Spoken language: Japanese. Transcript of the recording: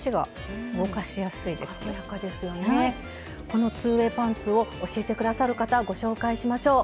この２ｗａｙパンツを教えて下さる方ご紹介しましょう！